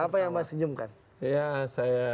apa yang mbak senyumkan ya saya